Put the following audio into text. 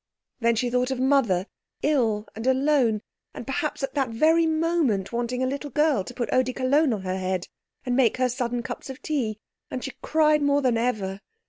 Then she thought of Mother, ill and alone, and perhaps at that very moment wanting a little girl to put eau de cologne on her head, and make her sudden cups of tea, and she cried more than ever.